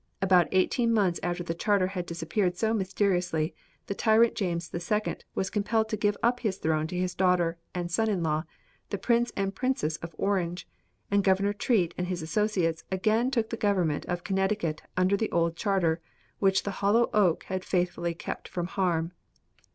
About eighteen months after the charter had disappeared so mysteriously, the tyrant James II. was compelled to give up his throne to his daughter and son in law, the prince and princess of Orange, and Governor Treat and his associates again took the government of Connecticut under the old charter, which the hollow oak had faithfully kept from harm.